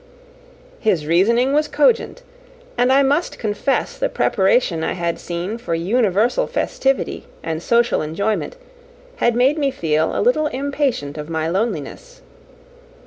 His reasoning was cogent; and I must confess the preparation I had seen for universal festivity and social enjoyment had made me feel a little impatient of my loneliness.